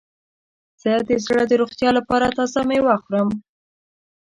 زه د زړه د روغتیا لپاره تازه میوه خورم.